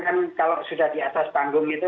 kan kalau sudah di atas panggung itu